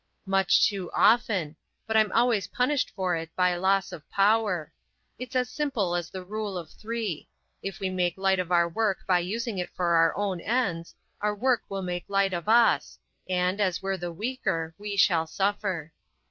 "Much too often; but I'm always punished for it by loss of power. It's as simple as the Rule of Three. If we make light of our work by using it for our own ends, our work will make light of us, and, as we're the weaker, we shall suffer."